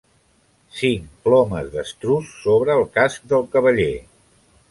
Cinc plomes d'estruç sobre el casc del cavaller.